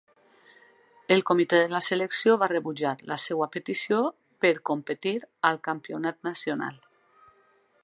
El comitè de la selecció va rebutjar la seva petició per competir al Campionat nacional.